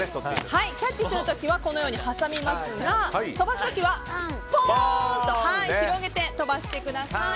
キャッチする時は挟みますが飛ばす時はポーンと広げて飛ばしてください。